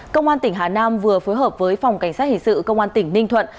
công an tỉnh hà nam vừa phối hợp với phòng cảnh sát hình sự công an tỉnh ninh thuận